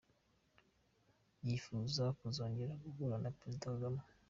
Yifuza kuzongera guhura na Perezida Kagame.